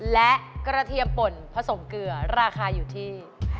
และกระเทียมป่นผสมเกลือราคาอยู่ที่